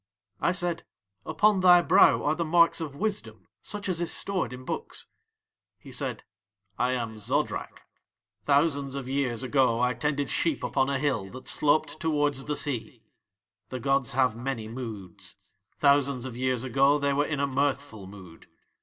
I said: 'Upon thy brow are the marks of wisdom such as is stored in books.' He said: 'I am Zodrak. Thousands of years ago I tended sheep upon a hill that sloped towards the sea. The gods have many moods. Thousands of years ago They were in a mirthful mood.